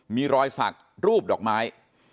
มีรอยสักรูปดอกไม้